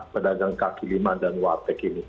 pada adang kaki lima dan warteg ini